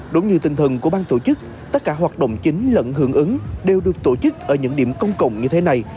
đúng như tinh thần của bang tổ chức tất cả hoạt động chính lẫn hưởng ứng đều được tổ chức ở những điểm công cộng như thế này